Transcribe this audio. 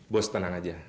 bos tenang aja